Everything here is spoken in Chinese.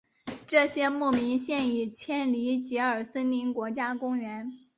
这些牧民现已迁离吉尔森林国家公园。